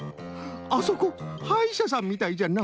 あそこはいしゃさんみたいじゃな。